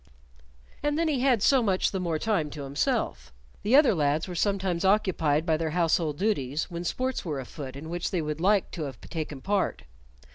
And then he had so much the more time to himself. The other lads were sometimes occupied by their household duties when sports were afoot in which they would liked to have taken part.